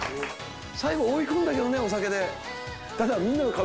最後追い込んだけどね。